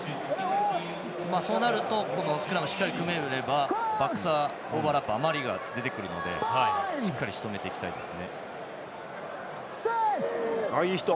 そうなるとしっかり組めれば、バックスオーバーラップは余りが出てくるのでしっかりしとめていきたいです。